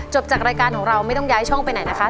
จากรายการของเราไม่ต้องย้ายช่องไปไหนนะคะ